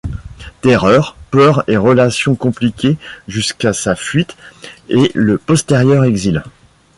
Terreur, peur et relations compliquées jusqu'à sa fuite et le postérieur exil.